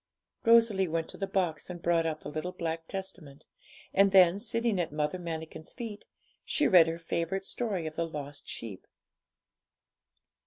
Rosalie went to the box and brought out the little black Testament, and then, sitting at Mother Manikin's feet, she read her favourite story of the lost sheep.